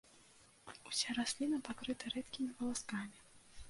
Уся расліна пакрыта рэдкімі валаскамі.